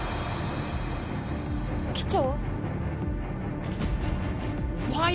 機長？